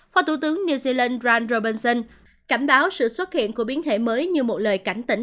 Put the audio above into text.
phó tủ tướng new zealand ron robinson cảnh báo sự xuất hiện của biến thể mới như một lời cảnh tỉnh